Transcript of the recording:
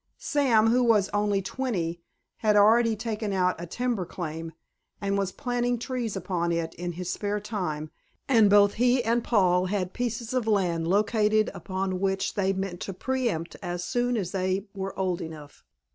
Sam, who was only twenty, had already taken out a timber claim, and was planting trees upon it in his spare time, and both he and Paul had pieces of land located upon which they meant to preëmpt as soon as they were old enough.